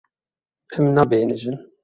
Em nabêhnijin.